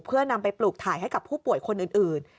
เพื่อนำไปปลูกถ่ายให้กับผู้ป่วยคนอื่น